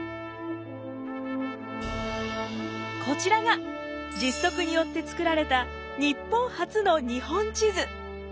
こちらが実測によって作られた日本初の日本地図。